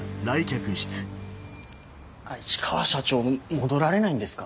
市川社長戻られないんですか？